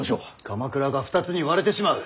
鎌倉が２つに割れてしまう。